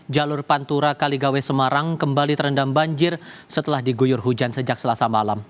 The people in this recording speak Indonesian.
jalur pantura kaligawai semarang kembali terendam banjir setelah diguyur hujan sejak selasa malam